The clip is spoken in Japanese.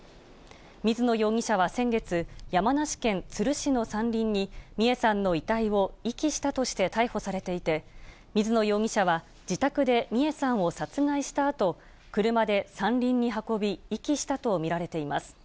水野容疑者は先月、山梨県都留市の山林に、美恵さんの遺体を遺棄したとして逮捕されていて、水野容疑者は、自宅で美恵さんを殺害したあと、車で山林に運び、遺棄したと見られています。